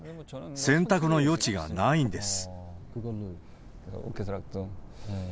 選択の余地がないんです。